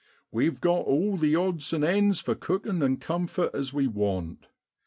We've got all the odds an' ends for cookin' an' comfort as we want.